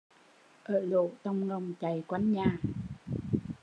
Ở lỗ tồng ngồng chạy quanh nhà